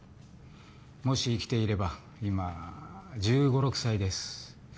もし生きていれば今１５１６歳です。